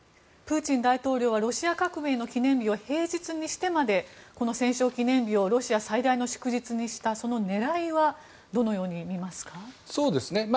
プーチン大統領はロシア革命の記念日を平日にしてまでこの戦勝記念日をロシア最大の祝日にしたその狙いはどのように見ますか。